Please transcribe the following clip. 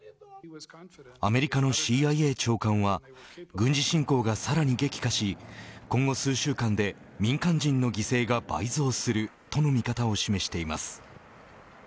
アメリカのＣＩＡ長官は軍事侵攻がさらに激化し今後数週間で民間人の犠牲が倍増するとの見方を示しています。